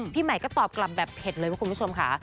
ใหม่ก็ตอบกลับแบบเผ็ดเลยว่าคุณผู้ชมค่ะ